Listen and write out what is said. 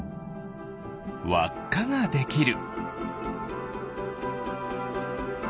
わっかができる。